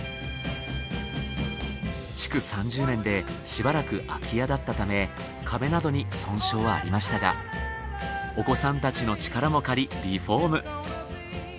築３０年でしばらく空き家だったため壁などに損傷はありましたがお子さんたちの力も借りリフォーム。